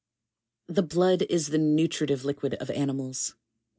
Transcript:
13. The Blood is the nutritive liquid of animals.